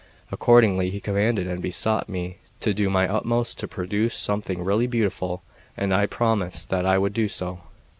Accordingly he commanded and besought me to do my utmost to produce something really beautiful; and I promised that I would do so.